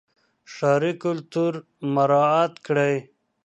ښاري کلتور مراعات کړئ.